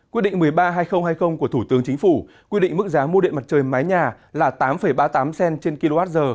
quyết định một mươi ba hai nghìn hai mươi của thủ tướng chính phủ quy định mức giá mua điện mặt trời mái nhà là tám ba mươi tám cent trên kwh